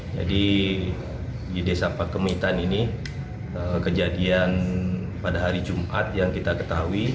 jadi di desa pakemitan ini kejadian pada hari jumat yang kita ketahui